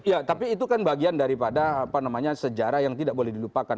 ya tapi itu kan bagian daripada sejarah yang tidak boleh dilupakan